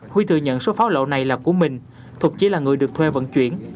huy thừa nhận số pháo lậu này là của mình thuộc chỉ là người được thuê vận chuyển